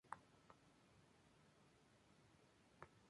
Es de los cuatro castillos el que cuenta con un peor estado de conservación.